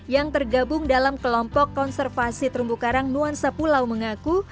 yang tergabung dalam kelompok konservasi terumbu karang nuansa pulau mengaku